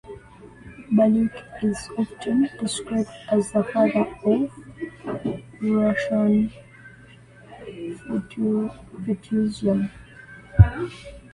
Burliuk is often described as the father of Russian Futurism.